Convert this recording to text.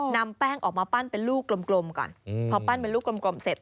นำแป้งออกมาปั้นเป็นลูกกลมก่อนพอปั้นเป็นลูกกลมเสร็จ